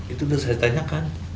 itu udah saya tanyakan